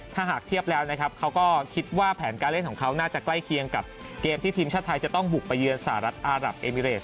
ถ้าหากเทียบแล้วนะครับเขาก็คิดว่าแผนการเล่นของเขาน่าจะใกล้เคียงกับเกมที่ทีมชาติไทยจะต้องบุกไปเยือนสหรัฐอารับเอมิเรต